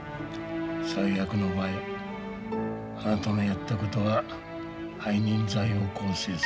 最悪の場合あなたのやったことは背任罪を構成する。